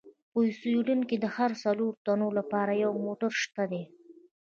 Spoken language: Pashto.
په سویډن کې د هرو څلورو تنو لپاره یو موټر شته دي.